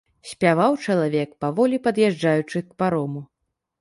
Спяваў чалавек, паволі пад'язджаючы к парому.